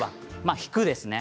引くですね。